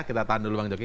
kita tahan dulu bang joki